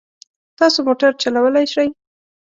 تاسو موټر چلولای شئ؟